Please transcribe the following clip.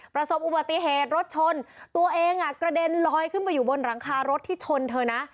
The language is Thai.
ประสบอุบัติเหตุรถชนตัวเองกระเด็นลอยขึ้นไปอยู่บนหลังคารถที่ชนเธอนะ